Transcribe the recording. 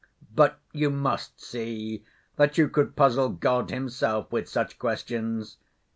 But you must see that you could puzzle God Himself with such questions.